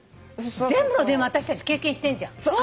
全部の電話私たち経験してんじゃん。